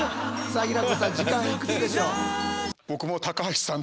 さあ平子さん時間いくつでしょう？